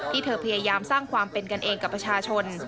เธอพยายามสร้างความเป็นกันเองกับประชาชน